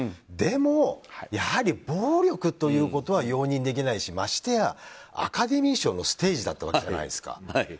でも、やはり暴力ということは容認できないしましてや、アカデミー賞のステージだったわけじゃないですか。